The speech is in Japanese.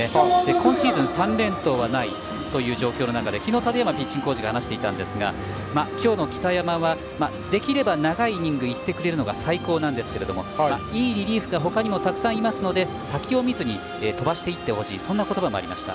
今シーズン３連投はないという状況の中で昨日、建山ピッチングコーチが話していたんですが今日の北山はできれば長いイニングを行ってくれるのが最高なんですがいいリリーフが他にもたくさんいますので先を見ずに飛ばしていってほしいというそんな言葉がありました。